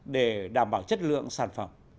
để đảm bảo chất lượng sản phẩm